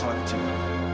cuma masalah kecil